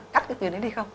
cắt cái tiền đấy đi không